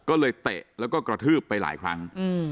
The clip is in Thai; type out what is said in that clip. ก็เลยเตะแล้วก็กระทืบไปหลายครั้ง